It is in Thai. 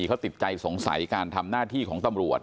เขาติดใจสงสัยการทำหน้าที่ของตำรวจ